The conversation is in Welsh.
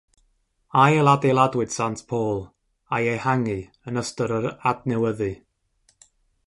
Ail-adeiladwyd Sant Paul a'i ehangu yn ystod yr adnewyddu.